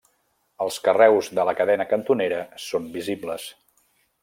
Els carreus de la cadena cantonera són visibles.